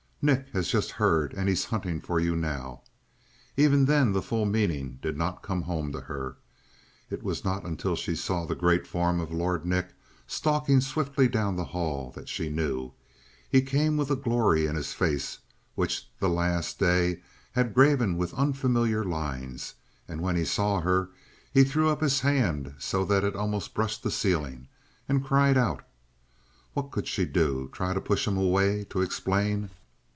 Nick has just heard and he's hunting for you now!" Even then the full meaning did not come home to her. It was not until she saw the great form of Lord Nick stalking swiftly down the hall that she knew. He came with a glory in his face which the last day had graven with unfamiliar lines; and when he saw her he threw up his hand so that it almost brushed the ceiling, and cried out. What could she do? Try to push him away; to explain?